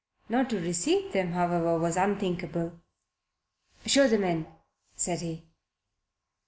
Not to receive them, however, was unthinkable. "Show them in," said he.